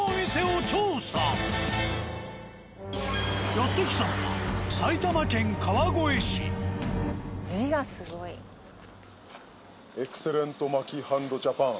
やって来たのは「エクセレントマキハンドジャパン」。